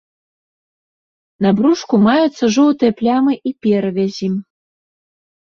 На брушку маюцца жоўтыя плямы і перавязі.